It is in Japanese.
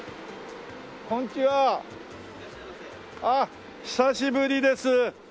ああ久しぶりです。